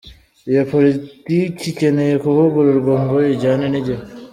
Iyi politiki ikeneye kuvugururwa ngo ijyane n’igihe.